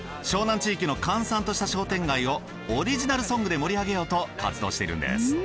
湘南地域の閑散とした商店街をオリジナルソングで盛り上げようと活動しているんです。